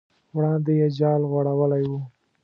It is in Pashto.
وړاندې یې جال غوړولی و.